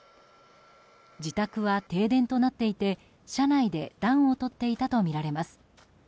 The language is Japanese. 自宅は停電となっていて車内で暖をとっていたとみられます。